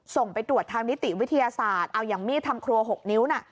ส่งไปตรวจทางนิติวิทยาศาสตร์เอาอย่างมีดทำครัว๖นิ้วน่ะ